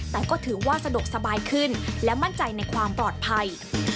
แต่ก็ถือว่าสะดวกสบายขึ้นและมั่นใจในความปลอดภัย